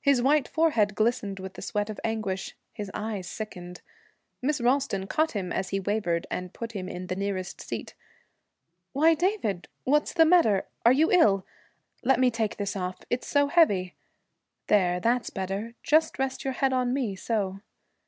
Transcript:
His white forehead glistened with the sweat of anguish. His eyes sickened. Miss Ralston caught him as he wavered and put him in the nearest seat. 'Why, David! what's the matter? Are you ill? Let me take this off it's so heavy. There, that's better. Just rest your head on me, so.'